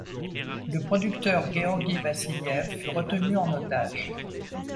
Le producteur Gueorgui Vassiliev fut retenu en otage.